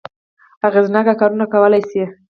اغېزناک کارونه کولای شي.